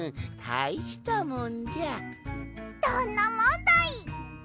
どんなもんだい！